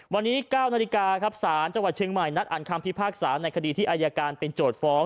วันนี้๙นาฬิกาครับศาลจังหวัดเชียงใหม่นัดอ่านคำพิพากษาในคดีที่อายการเป็นโจทย์ฟ้อง